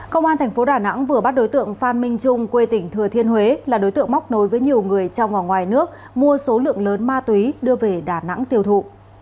công an thành phố đà nẵng vừa bắt đối tượng phan minh trung quê tỉnh thừa thiên huế là đối tượng móc nối với nhiều người trong và ngoài nước mua số lượng lớn ma túy đưa về đà nẵng tiêu thụ